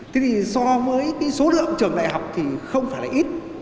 thế thì so với cái số lượng trường đại học thì không phải là ít